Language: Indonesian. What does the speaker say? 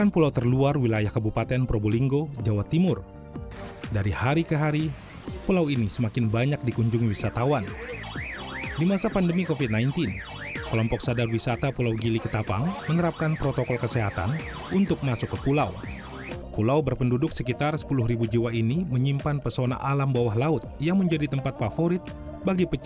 pulau gili ketapang